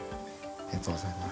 ありがとうございます。